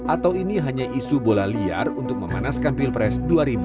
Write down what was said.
atau ini hanya isu bola liar untuk memanaskan pilpres dua ribu dua puluh